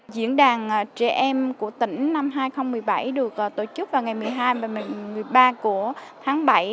diễn đàn trẻ em của tỉnh năm hai nghìn một mươi bảy được tổ chức vào ngày một mươi hai và một mươi ba của tháng bảy